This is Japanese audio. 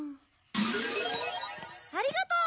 ありがとう！